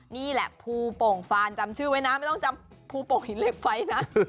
นี่แหละภูโป่งฟานจำชื่อไว้นะไม่ต้องจำภูโป่งหินเหล็กไฟนะ